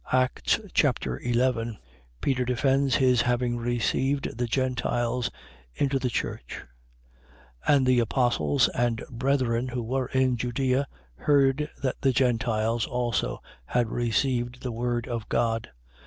Acts Chapter 11 Peter defends his having received the Gentiles into the church. 11:1. And the apostles and brethren, who were in Judea, heard that the Gentiles also had received the word of God.